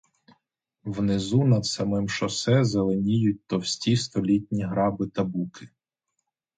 Внизу над самим шосе зеленіють товсті столітні граби та буки.